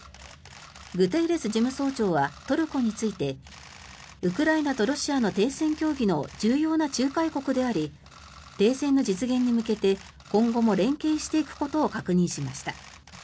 グテーレス事務総長はトルコについてウクライナとロシアの停戦協議の重要な仲介国であり停戦の実現に向けて今後も連携していくことを確認しました。